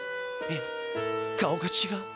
いや顔がちがう。